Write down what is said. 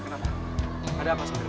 kenapa ada apa sebenarnya